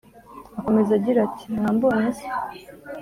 Akomeza agira ati: mwambonyese